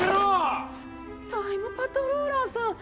タイムパトローラーさん！